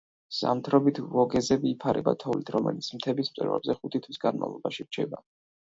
ზამთრობით ვოგეზები იფარება თოვლით, რომელიც მთების მწვერვალებზე ხუთი თვის განმავლობაში რჩება.